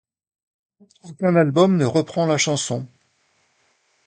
Aucun album ne reprend la chanson.